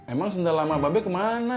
emang sendalama bapak kemana